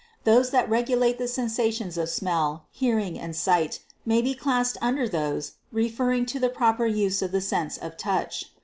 Those that regulate the sensations of smell, hearing and sight, may be classed un der those referring to the proper use of the sense of touch.